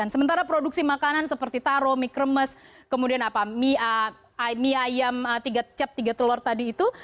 sementara produksi makanan seperti taro mie kremes kemudian apa mie mie ayam tiga cap tiga telur tadi itu